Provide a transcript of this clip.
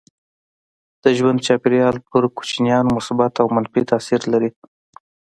د ژوند چاپيریال پر کوچنیانو مثبت او منفي تاثير لري.